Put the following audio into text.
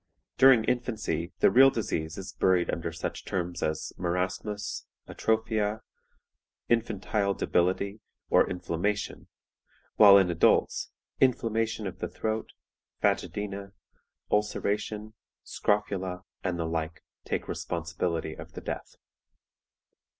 During infancy the real disease is buried under such terms as Marasmus, Atrophia, Infantile Debility, or Inflammation, while in adults, Inflammation of the Throat, Phagedæna, Ulceration, Scrofula, and the like, take the responsibility of the death.